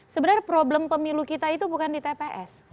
sebenarnya problem pemilu kita itu bukan di tps